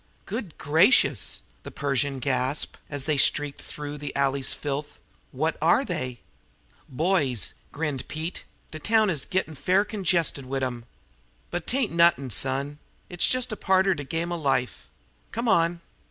"Good gracious!" the Persian gasped, as they streaked through the alley's filth. "What are they?" "Boys," grinned Pete. "De town is gittin' fair congested wid 'em. But 'tain't nuttin', son; it's jes' a part er de game er life. Come on."